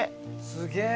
すげえ。